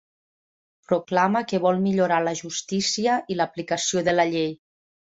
Proclama que vol millorar la justícia i l'aplicació de la llei.